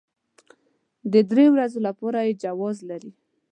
د درې ورځو لپاره يې جواز لري.